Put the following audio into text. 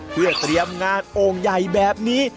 เพื่อเตรียมงานโอ่งใหญ่แบบนี้